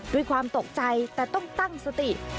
ด้วยความตกใจแต่ต้องตั้งสติ